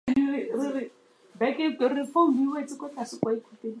Costa was born in Colonia Condesa of the Mexican capital.